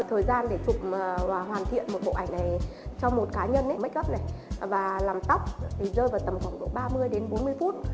thời gian để chụp và hoàn thiện một bộ ảnh này cho một cá nhân ấy cắp này và làm tóc thì rơi vào tầm khoảng độ ba mươi đến bốn mươi phút